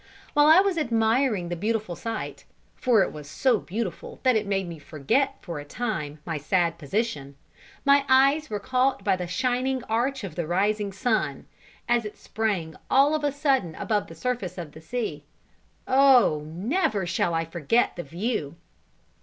While I was admiring the beautiful sight, for it was so beautiful that it made me forget for a time my sad position, my eyes were caught by the shining arch of the rising sun, as it sprang all of a sudden above the surface of the sea. Oh! never shall I forget the view!